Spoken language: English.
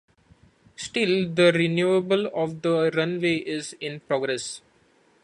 Still, the renovation of the runway is in progress.